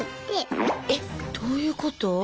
えっどういうこと？